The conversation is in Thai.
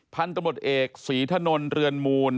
พันธุ์ตำรวจเอกศรีถนนเรือนมูล